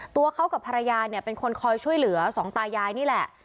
ตัวเขากับภรรยาเนี่ยเป็นคนคอยช่วยเหลือสองตายายนี่แหละ